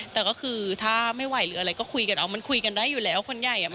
แต่ก็คือถ้าไม่ไหวหรืออะไรก็คุยกันเอามันคุยกันได้อยู่แล้วคนใหญ่